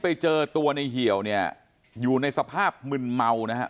ไปเจอตัวในเหี่ยวเนี่ยอยู่ในสภาพมึนเมานะฮะ